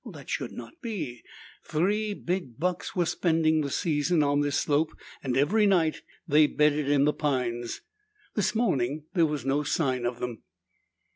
That should not be. Three big bucks were spending the season on this slope and every night they bedded in the pines. This morning there was no sign of them.